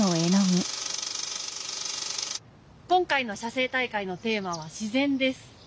今回の写生大会のテーマは「自然」です。